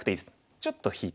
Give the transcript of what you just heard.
ちょっと引いて。